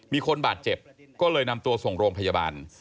มีคนบาดเจ็บก็เลยนำตัวส่งโรงพยาบาล